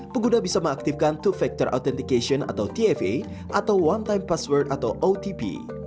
pengguna bisa mengaktifkan two factor authentication atau tfa atau one time password atau otp